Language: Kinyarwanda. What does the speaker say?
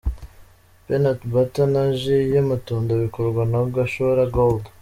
'Peanut butter' na 'Jus' y'amatunda bikorwa na 'Gashora Gold'.